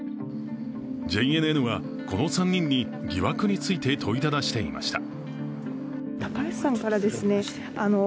ＪＮＮはこの３人に疑惑について問いただしていました。